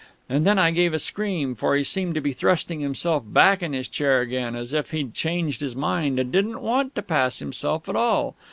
And then I gave a scream for he seemed to be thrusting himself back in his chair again, as if he'd changed his mind and didn't want to pass himself at all.